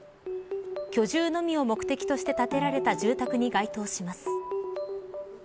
居住のみを目的として建てられた住宅に該当します